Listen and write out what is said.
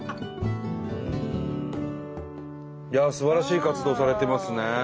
いやあすばらしい活動をされてますね。